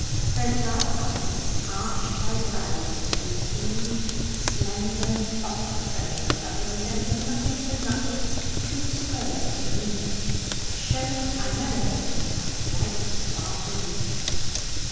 Her dark eyes arched by brows of so keen, slender, and soft a curve, that they resembled nothing so much as two slurs in music showed primarily a bright sparkle each.